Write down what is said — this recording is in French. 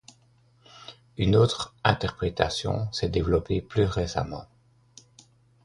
Une autre interprétation s'est développée plus récemment.